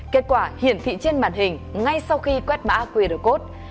kết quả hiển thị trên màn hình ngay sau khi quét mã qr code